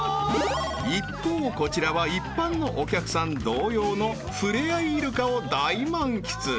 ［一方こちらは一般のお客さん同様の触れ合いイルカを大満喫］